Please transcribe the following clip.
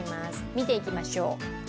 見ていきましょう。